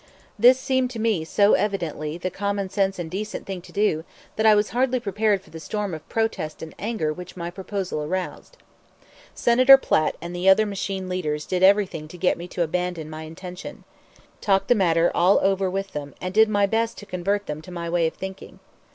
This seemed to me so evidently the common sense and decent thing to do that I was hardly prepared for the storm of protest and anger which my proposal aroused. Senator Platt and the other machine leaders did everything to get me to abandon my intention. As usual, I saw them, talked the matter all over with them, and did my best to convert them to my way of thinking.